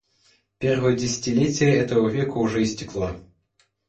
Первое десятилетие этого века уже истекло.